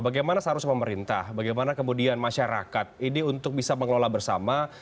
bagaimana seharusnya pemerintah bagaimana kemudian masyarakat ini untuk bisa mengelola bersama